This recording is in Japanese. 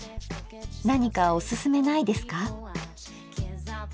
何かおすすめないですか？